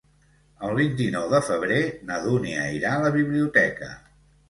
El vint-i-nou de febrer na Dúnia irà a la biblioteca.